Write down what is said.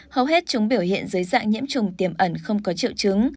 hầu hết chúng biểu hiện dưới dạng nhiễm trùng tiềm ẩn không có triệu chứng